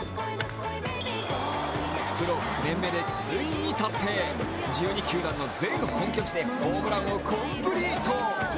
プロ９年目でついに達成、１２球団の全本拠地でホームランをコンプリート。